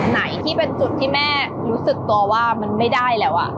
ไหนที่เป็นจุดที่แม่รู้สึกตัวว่ามันไม่ได้แล้ว